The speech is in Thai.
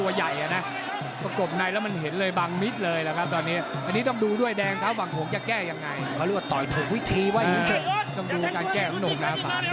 มันคิดว่าเพื่อเบียดกันนะไม่ดีจากไม่ห่างนะ